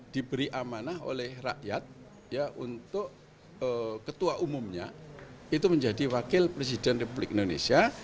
diberi amanah oleh rakyat untuk ketua umumnya itu menjadi wakil presiden republik indonesia